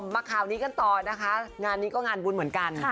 ข่าวนี้กันต่อนะคะงานนี้ก็งานบุญเหมือนกัน